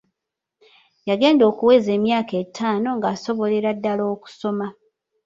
Yagenda okuweza emyaka etaano nga asobolera ddala okusoma.